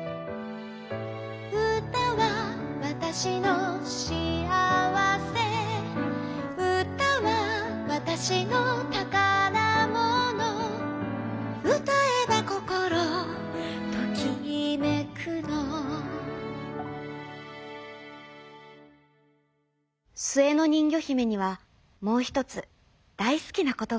「うたはわたしのしあわせ」「うたはわたしのたからもの」「うたえばこころときめくの」すえのにんぎょひめにはもうひとつだいすきなことがありました。